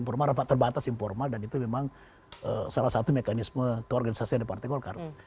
rapat terbatas informal dan itu memang salah satu mekanisme keorganisasinya di partai golkar